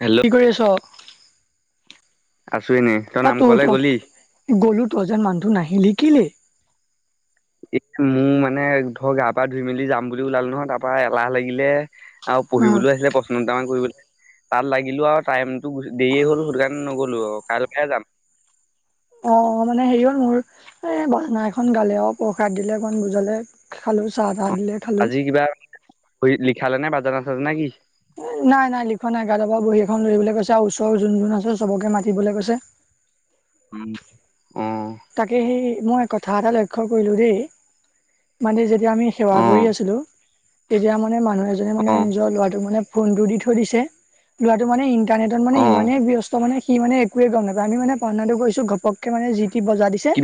Hello কি কৰি আছ? আছো এনেই। এ তোৰ থ' গ'লো তো এজন মানুহ নাহিলি কেলে? এ' মোৰ মানে ধৰ গা-পা ধুই মেলি যাম বুলি ওলালো নহয় তাৰপৰা এলাহ লাগিলে। আৰু অ পঢ়িবলৈ আছিলে প্ৰচ্ন দুটামান কৰিব আছিলে, তা'ত লাগিলো আৰু টাইম- দেৰিয়ে হ'ল দোকান নগ'লো আৰু কাইলৈ পৰাই হে যাম। অঁ', মানে হেৰি হ'ল মোৰ এই বাজনা এখন গা'লে অ' প্ৰসাদ অকণ দিলে মানুহজনে। খালো অ চাহ-তাহ দিলে। খালো। আজি কিবা লিখালে নে বাজাজ-আচাজ নেকি? নাই-নাই লিখোৱা নাই, গাব পৰা বহী এখন ধৰিবলৈ কৈছে আৰু ওচৰ যোন-যোন আছে চবকে মাতিবলৈ কৈছে। উমঁ। তাকে সেই মই কথা এটা লক্ষ্য কৰিলো দেই- মানে যেতিয়া আমি সেৱা অ কৰি আছিলো তেতিয়া মানে মানুহে- এজনে মানে অ নিজৰ ল'ৰাটোক মানে ফোনটো দি থৈ দিছে। ল'ৰাটো মানে ইটাৰনেটত মানে অ ইমানেই ব্যস্ত মানে সি মানে একোৱে গম নাপায়, আমি মানে কৰ্ণাটক গৈছোঁ ঘপকে- মানে যি টি বজাই দিছে। কি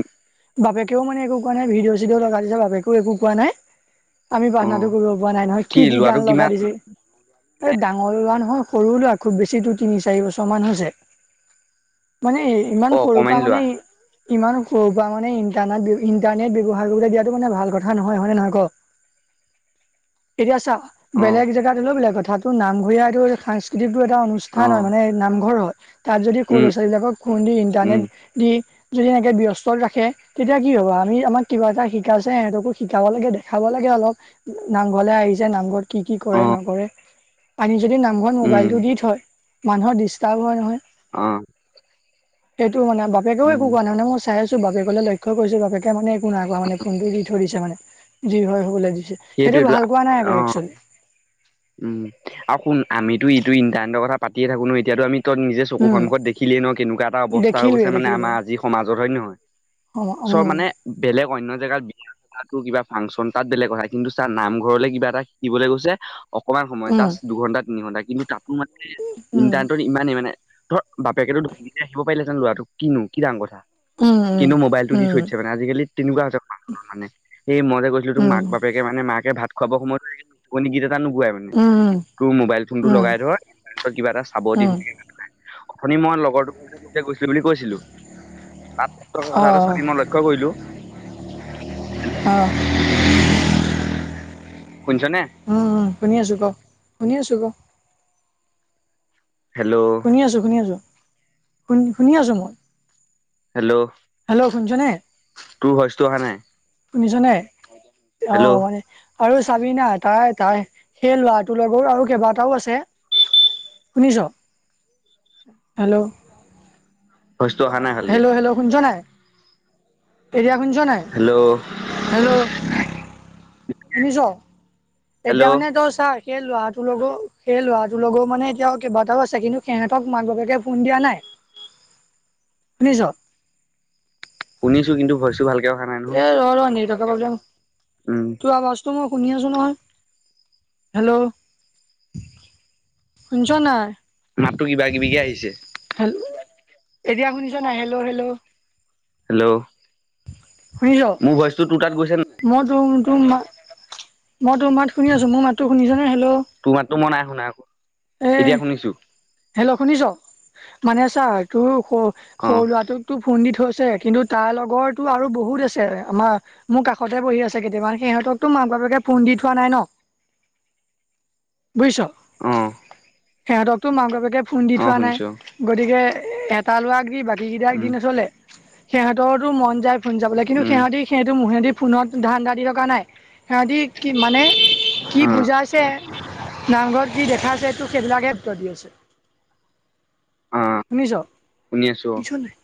বাপেকেও একো কাৰণে ভিডিঅ'-চিডিঅ' লগাই দিছে বাপেকে- কোনো একো কোৱা নাই, আমি অ প্ৰাৰ্থনাটো কৰিব পৰা নাই নহয় কি কি-কি লোৱাটো গান লগাই কিমান? দিছে। এই ডাঙৰ ল'ৰা নহয়, সৰু ল'ৰা খুব বেছি তিনি-চাৰি বছৰমান হৈছে। মানে ইমান অ সৰুৰ পৰা অকমানি লোৱা মানে- ইমান সৰু পৰা মানে ইণ্টাৰনেট-ইন্টাৰনেট ব্যৱহাৰ কৰিলে দিয়াটো মানে ভাল কথা- কথা নহয়, হয় নে নহয় কওঁক। এতিয়া চা' অ বেলেগ জেগাত হ'লেও বেলেগ কথা- ত' নামঘৰীয়া এইটো সাংস্কৃতিকটো এটা অ অনুষ্ঠান হয় মানে নামঘৰ হয়। তা'ত যদি স'ৰু উম ল'ৰা-ছোৱালী বিলাকক ফোন দি উম ইণ্টাৰনেট দি- যদি এনেকে ব্যস্ত ৰাখে তেতিয়া কি হ'ব। আমি আমাক কিবা এটা শিকাছে সিহঁতকো- শিকাব লাগে, দেখাব লাগে, অলপ নামঘৰলে আহিছে নামঘৰত কি-কি অ কৰে নকৰে। আহি যদি নামঘৰত উম মোবাইলটো দি থয়, মানুহৰ ডিষ্টাৰ্ব হয় নহয়। অঁ' [inaudible] সেইটো মানে, বাপেও একো কোৱা নাই মানে। ময় চাই আছো বাপেকলে লক্ষ্য কৰিছো বাপেকে মানে একো নাই কোৱা মানে ফোনটো দি থৈ দিছে। মানে যি হয় হবলৈ দিছে। সেইটো সেইটোৱেটো ভাল কৱা নাই আকৌ অ একচোৱেলি। উম' আৰু শুন, আমিতো এইটো ইন্টাৰনেটৰ কথা পাতিয়ে থাকো নো এতিয়াতো আমি তত নিজে- চকু উম সন্মুখত দেখিলেইে ন, কেনেকুৱাএটা অৱস্থা হৈ দেখিলোৱে গৈছে মানে দেখিলোৱে আমাৰ আজি সমাজত হয় নে নহয়? অ চৰ উম মানে বেলেগ অন্য জেগাত- তাটো কিবা ফাংচন তাত বেলেগ কথা, কিন্তু চা নাম ঘৰলে কিবা এটা শিকিবলে গৈছে- অকমান সময় উম জাষ্ট দুঘণ্টা তিনি ঘণ্টা কিন্তু তাতো মানে উম ইণ্টাৰনেটত ইমানেই মানে- ধৰ, বাপেকেতো ধৰিকিনে ৰাখিব পাৰিলেহেঁতেন লৰাটোক কিনো কি ডাঙৰ কথা? উম উম কিন্তু, মোবাইলটো দি উম থৈছে দিছে মানে, আজিকালি তেনেকুৱা হৈছে মানৰ মানে সেই মইযে কৈছিলোঁ তোক মাক বাপেক- এ মানে মাকে ভাত খুৱাব সময়ত নিচুকণী গীত এটা নুগোৱাই মানে। উম উম তোৰ মোবাইল ফোন টো লগাই ধৰ তয় কিবা এটা চাব দি উম দিলেহে ভাল পায়। অথনি মই লগৰোক গৈছিলোঁ বুলি কৈছিলোঁ। আত টকা কথা অ এটা চি মই লক্ষ্য কৰিলোঁ। অ' শুনিছনে? উম' উম' শুনি আছোঁ ক, শুনি আছোঁ ক। হেল্লৌ' শুনি আছোঁ, শুনি আছোঁ, শুনি শুনি আছোঁ মই। হেল্লৌ' হেল্লৌ' শুনিছনে? অহা নাই শুনিছনে? হেল্ল' অ' মানে- আৰু চাবি না তাই তাই সেই লৰাটোৰ লগৰো আৰু কেইবাটাও আছে। শুনিছ? হেল্লৌ' ভইচটো অহা নাই ভালকে হেল্লৌ' হেল্লৌ' শুনিছ নাই? এতিয়া শুনিছ নাই? হেল্ল' হেল্লৌ' শুনিছ? এতিয়া হেল্ল' মানে তই চাই- সেই ল'ৰাটোৰ লগৰ সেই ল'ৰাটোৰ লগৰ মানে এতিয়াও কেইবাটাও আছে কিন্তু সেহেঁতক মাক বাপেকে ফোন দিয়া নাই। [inaudible] শুনিছ? শুনিছো, কিন্তু ভইছটো ভালকে অহা নাই নহয়। এ ৰ ৰ নেটৱৰ্কৰ উম তোৰ আৱাজটো মই শুনি আছো নহয়। হেল্লৌ' শুনিছ নাই? মাততো কিবা কিবিকে আহিছে হেল- এতিয়া শুনিছ নাই? Hello hello. হেল্লৌ' শুনিছ মোৰ ভইচটো তোৰ তাত গৈছে ন- মই তোৰ তোৰ মা মই তোৰ মাত শুনি আছো মোৰ মাতটো শুনিছেনে? হেল্লৌ' তোৰ মাততো মই নাই শুনা আকৌ, এতিয়া শুনিছো। হেল্লৌ' শুনিছ, মানে ছাৰ তোৰ স অ সৰু লৰাটোক তো ফোন দি থৈছয়ে, কিন্তু- তাৰ লগৰটো আৰু বহুত আছে, আমাৰ- মোৰ কাষতে বহি আছে কেতামান সিহঁতকতো মাক বাপেকে ফোন দি থোৱা নাই ন। [inaudible] বুজিছ? অঁ' সেহেঁতকতো মাক বাপেকে ফোন দি থোৱা নাই। শুনিছো গতিকে এটা লৰাক দি বাকীকেইটাক দি উম নচলে সিহঁতৰটো মন যায় ফোন যাবলৈ কিন্তু উম সিহঁতি সিহতৰ সিহঁতি ফোনত ধান দা দি থকা নাই সিহঁতি কি মানে কি অ বুজাইছে নামঘৰত কি দেখাই আছে এইটো সেইবিলাকহে উত্তৰ দি আছে অ শুনিছ শুনি আছো শুনিছ নাই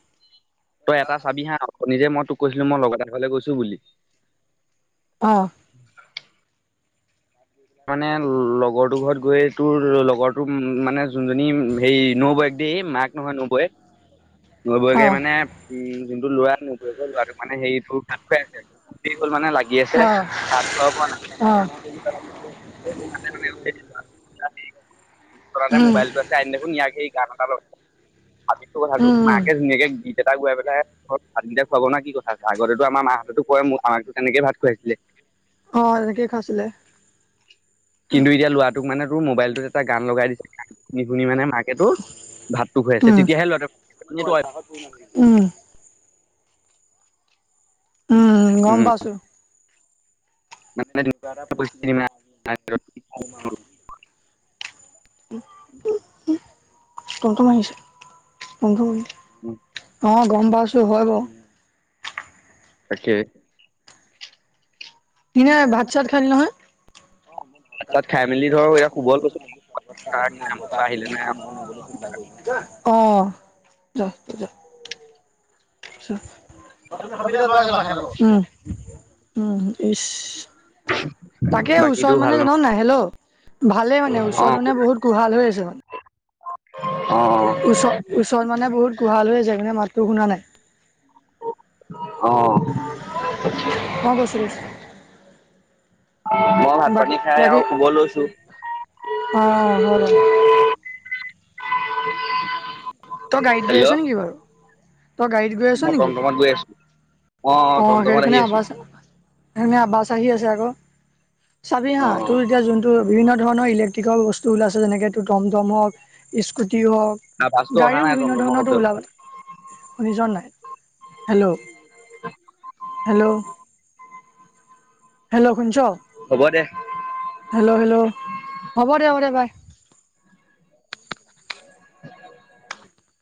তই এটা চাবি হা [unintelligible] নিজে মই তোক কৈছিলো মই লগত এ আগলে গৈছো বুলি অ মানে লগৰটো ঘৰত গৈ তোৰ লগৰটো মানে যোনজনী সেই নৌ বৈক দেই মাক নহয় নৌ বৈক অ নবৌয়েকে মানে উম যোনটো ল'ৰা নোব ল'ৰাটোক মানে হেৰিটো ভাত [unintelligible] মানে লাগি আছে ভাত খোৱা বোৱা নাই অঁ [unintelligible] আমি [unintelligible] উম এটা উম উম গুৱাই পেলাই ঘৰত ভাতকেইটা খুৱাব ন কি কথা আছে আগতে আমাৰ মাহঁতো কয় ম আমাকো তেনেকে ভাত খুৱাইছিলে অ এনেকে খাইছিলে কিন্তু এতিয়া ল'ৰাটোক মানে তোৰ মোবাইলটোত এটা গান লগাই দিছে গান শুনি শুনি মানে মাক হেতু ভাতটো খুৱাই আছে উম তেতিয়াহে লৰা উম উম গম পাইছো পম [unintelligible] [unintelligible] অ গম পাইছো হয় বাৰু তাকে [unintelligible] ভাত চাত খালি নহয় ভাত ছাত খাই মেলি ধৰক এয়া শুব গৈছো তাৰ নামটো আহিলে নাই অ দহ [unintelligible] উ উম ইচ তাকে বাকীটো ওচৰত মানে ভাল জান নহয় নাই হেল ভালে মানে অ ওচৰত মানে বহুত কুহাল হৈ আছে ম অ ওচ ওচৰত মানে বহুত গোহাল হৈ যাই মানে মাতটো শুনা নাই অ মই কৈছিলো মই ভাত বাকী পানী খাই আৰু বাকী শুব লৈছো অ হয় বাৰু [unintelligible] তই গাড়ীত গৈ আছ হেল্ল' নেকি বাৰু তই গাড়ীত গৈ আছ মই নেকি টমটমত গৈ আছো অ টমটমত সেইখণি আহি আছো আভাৰ ঘামে আবাচ আহি আছে আকৌ চাবি অ হা তোৰ এতিয়া যোনটো বিভিন্ন ধৰণৰ ইলেক্ট্ৰিকেল বস্তু ওলাইছে যেনেকে এইটো টমটম হওঁক স্কুটি হওঁক আৱাজটো অহা গাড়ীও নাই বিভিন্ন টমটমৰ ধৰণৰটো শব্দটো ওলাব শুনিছ নাই হেল্ল' হেল্ল' হেল্ল' শুনিছ হ'ব দে হেল্ল' হেল্ল' হ'ব দে হ'ব দে বাই [inaudible]